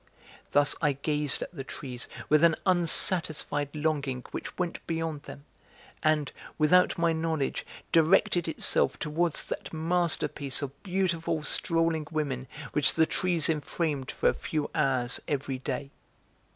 Thus I gazed at the trees with an unsatisfied longing which went beyond them and, without my knowledge, directed itself towards that masterpiece of beautiful strolling women which the trees enframed for a few hours every day.